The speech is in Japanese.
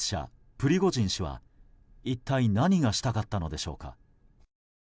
プリゴジン氏は一体何がしたかったのでしょうか。